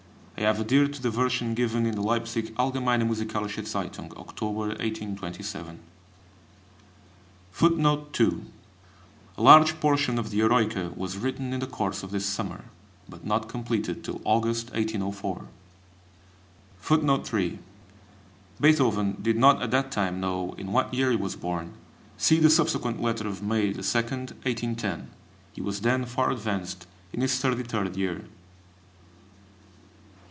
I have adhered to the version given in the Leipzig Allgemeine Musikalische Zeitung, Oct. 1827.] [Footnote 2: A large portion of the Eroica was written in the course of this summer, but not completed till August, 1804.] [Footnote 3: Beethoven did not at that time know in what year he was born. See the subsequent letter of May 2, 1810. He was then far advanced in his thirty third year.